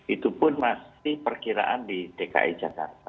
itu pun masih perkiraan di dki jakarta